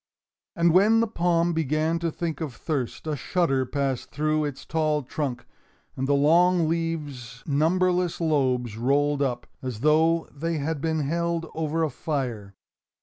And when the palm began to think of thirst, a shudder passed through its tall trunk, and the long leaves' numberless lobes rolled up, as though they had been held over a fire.